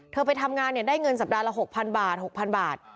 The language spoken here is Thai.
ไปทำงานได้เงินสัปดาห์ละ๖๐๐บาท๖๐๐บาท